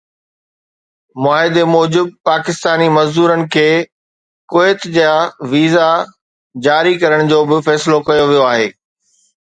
معاهدي موجب پاڪستاني مزدورن کي ڪويت جا ويزا جاري ڪرڻ جو به فيصلو ڪيو ويو آهي